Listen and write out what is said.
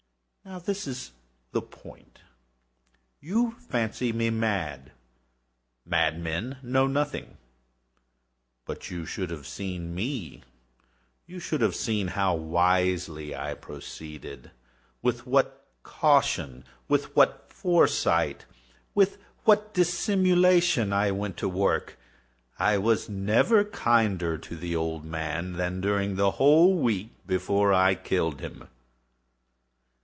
Now this is the point. You fancy me mad. Madmen know nothing. But you should have seen me. You should have seen how wisely I proceeded—with what caution—with what foresight—with what dissimulation I went to work! I was never kinder to the old man than during the whole week before I killed him.